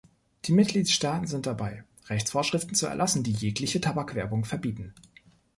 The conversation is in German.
Die Mitgliedstaaten sind dabei, Rechtsvorschriften zu erlassen, die jegliche Tabakwerbung verbieten.